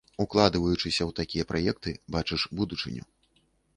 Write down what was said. Укладваючыся ў такія праекты, бачыш будучыню.